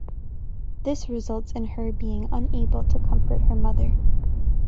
This results in her being unable to comfort her mother.